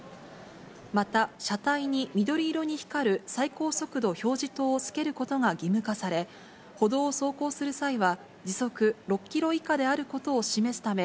また、車体に緑色に光る最高速度表示灯をつけることが義務化され、歩道を走行する際は、時速６キロ以下であることを示すため、